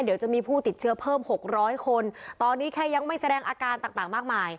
เดี๋ยวจะมีผู้ติดเชื้อเพิ่มหกร้อยคนตอนนี้แค่ยังไม่แสดงอาการต่างต่างมากมาย